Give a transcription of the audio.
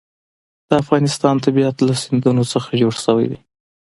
د افغانستان طبیعت له سیندونه څخه جوړ شوی دی.